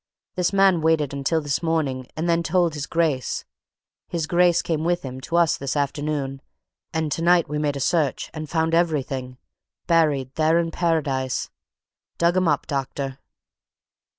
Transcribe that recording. This man waited until this very morning and then told his Grace his Grace came with him to us this afternoon, and tonight we made a search and found everything! Buried there in Paradise! Dug 'em up, doctor!"